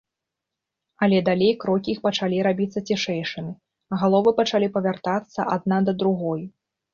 Але далей крокі іх пачалі рабіцца цішэйшымі, галовы пачалі павяртацца адна да другой.